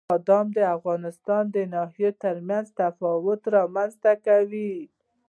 بادام د افغانستان د ناحیو ترمنځ تفاوتونه رامنځ ته کوي.